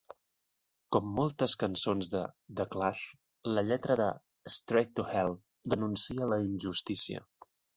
Com moltes cançons de The Clash, la lletra de "Straight to Hell" denuncia la injustícia.